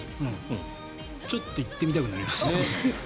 ちょっと行ってみたくなりました。